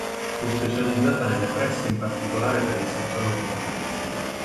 Fu specializzata nelle presse in particolare per il settore automobilistico.